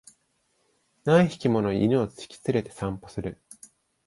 何匹もの犬を引き連れて散歩する